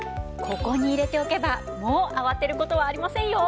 ここに入れておけばもう慌てる事はありませんよ。